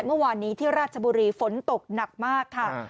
เมื่อวานนี้ที่ราชบุรีฝนตกหนักมากค่ะ